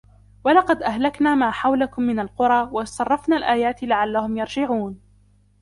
وَلَقَدْ أَهْلَكْنَا مَا حَوْلَكُمْ مِنَ الْقُرَى وَصَرَّفْنَا الْآيَاتِ لَعَلَّهُمْ يَرْجِعُونَ